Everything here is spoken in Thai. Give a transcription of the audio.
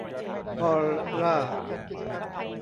ออลล่า